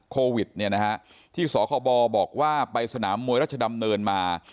โควิดเนี่ยนะฮะที่สบบอกว่าไปสนามมวยรัชดำเนินมา